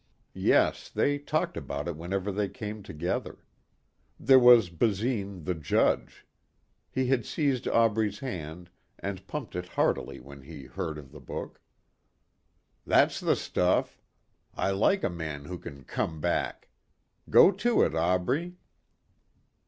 Yes, they talked about it whenever they came together. There was Basine, the judge. He had seized Aubrey's hand and pumped it heartily when he heard of the book. "That's the stuff. I like a man who can come back. Go to it, Aubrey."